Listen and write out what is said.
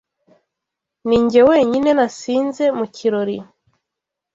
Ninjye wenyine nasinze mu kirori.